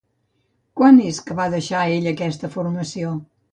Quan és que va deixar ell aquesta formació?